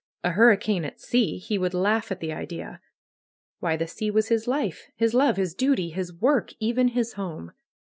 A hurricane at sea! He would laugh at the idea. Why, the sea was his life, his love, his duty, his work, even his home.